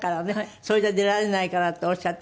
「それじゃ出られないから」っておっしゃってね